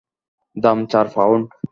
দাম চার পাউন্ড।